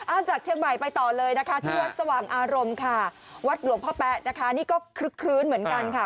จากเชียงใหม่ไปต่อเลยนะคะที่วัดสว่างอารมณ์ค่ะวัดหลวงพ่อแป๊ะนะคะนี่ก็คลึกคลื้นเหมือนกันค่ะ